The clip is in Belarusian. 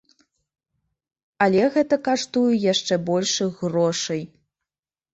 Але гэта каштуе яшчэ большых грошай.